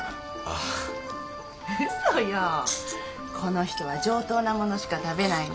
この人は上等なものしか食べないの。